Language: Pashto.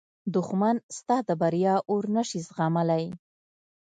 دښمن ستا د بریا اور نه شي زغملی